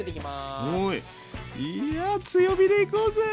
いや強火で行こうぜ！